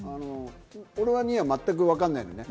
俺には全くわからないのね。